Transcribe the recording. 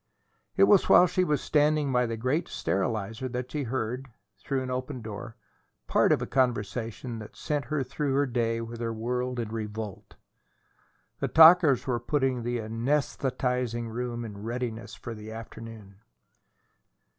It was while she was standing by the great sterilizer that she heard, through an open door, part of a conversation that sent her through the day with her world in revolt. The talkers were putting the anaesthetizing room in readiness for the afternoon.